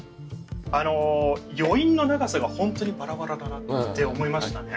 余韻の長さが本当にバラバラだなって思いましたね。